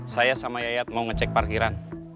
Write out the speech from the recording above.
saya sama yayat mau ngecek parkiran